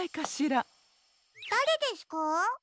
だれですか？